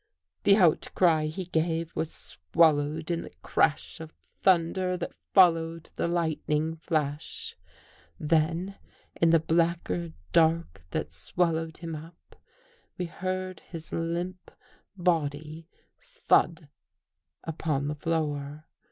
The outcry he gave was swallowed in the crash of thunder that followed the lightning flash. Then, in the blacker dark that swallowed him up, we heard his limp body thud upon the floor.